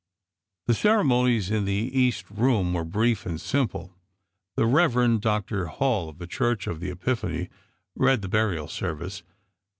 The ceremonies in the east room were brief and simple. The Rev. Dr. Hall of the Church of the Epiphany read the burial service.